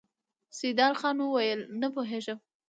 سيدال خان وويل: نه پوهېږم!